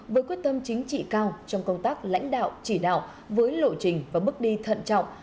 với quyết tâm chính trị cao trong công tác lãnh đạo chỉ đạo với lộ trình và bước đi thận trọng